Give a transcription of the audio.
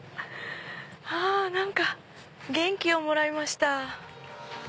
何か元気をもらいました。